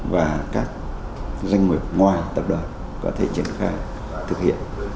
và các doanh nghiệp ngoài tập đoàn có thể triển khai thực hiện